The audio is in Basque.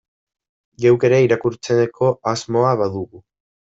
Geuk ere irakurtzeko asmoa badugu.